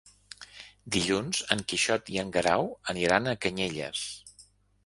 Dilluns en Quixot i en Guerau aniran a Canyelles.